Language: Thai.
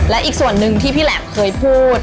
และอีกส่วนหนึ่งที่พี่แหลบเคยพูด